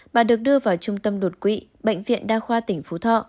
bà được đưa vào trung tâm đột quỵ bệnh viện đa khoa tỉnh phú thọ